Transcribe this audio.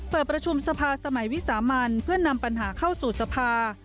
เปิดประชุมสภาสมัยวิสามันเพื่อนำปัญหาเข้าสู่สภา